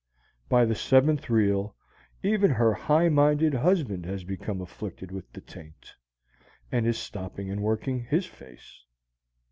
By the seventh reel even her high minded husband has become afflicted with the taint, and is stopping and working his face.